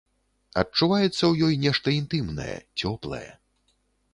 Адчуваецца ў ёй нешта інтымнае, цёплае.